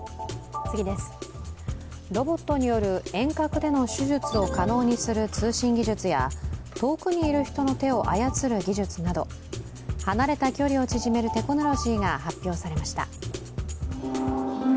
ロボットによる遠隔での手術を可能にする通信技術や遠くにいる人の手を操る技術など離れた距離を縮めるテクノロジーが発表されました。